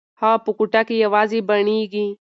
هغه په کوټه کې یوازې بڼیږي.